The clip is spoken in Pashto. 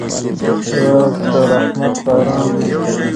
هېواد د رحمت باران دی.